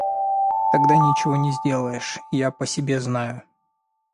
Тогда ничего не сделаешь, я по себе знаю.